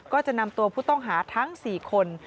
ก็จะนำตัวผู้ต้องหาทั้ง๔คน